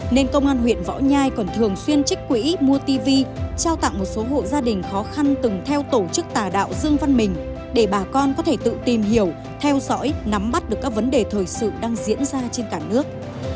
nên công an huyện võ nhai còn thường xuyên trích quỹ mua tv trao tặng một số hộ gia đình khó khăn từng theo tổ chức tà đạo dương văn mình để bà con có thể tự tìm hiểu theo dõi nắm bắt được các vấn đề thời sự đang diễn ra trên cả nước